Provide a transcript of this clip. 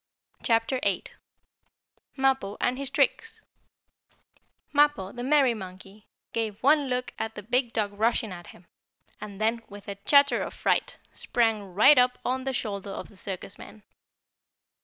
CHAPTER VIII MAPPO AND HIS TRICKS Mappo, the merry monkey, gave one look at the big dog rushing at him, and then, with a chatter of fright, sprang right up on the shoulder of the circus man.